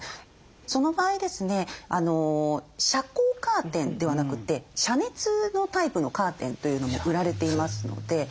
その場合ですね遮光カーテンではなくて遮熱のタイプのカーテンというのも売られていますので。